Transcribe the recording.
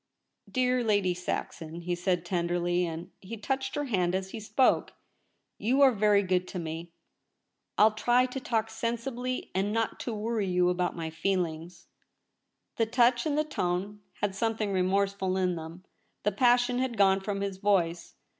' Dear Lady Saxon,' he said tenderly, and he touched her hand as he spoke, ' you are very good to me. I'll try to talk sensibly and not to worry you about my feelings.' The touch and the tone had something remorseful in them. The passion had gone from his voice.